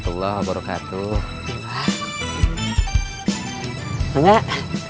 cilok cari lok di cilokan